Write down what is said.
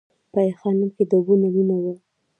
په ای خانم کې د اوبو نلونه وو